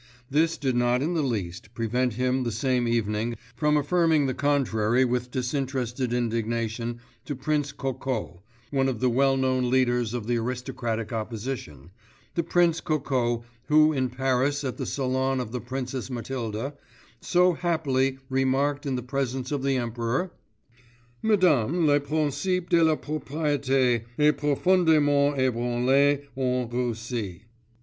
This did not in the least prevent him the same evening from affirming the contrary with disinterested indignation to Prince Kokó, one of the well known leaders of the aristocratic opposition, the Prince Kokó, who in Paris at the salon of the Princess Mathilde, so happily remarked in the presence of the Emperor: 'Madame, le principe de la propriété est profondément ébranlé en Russie.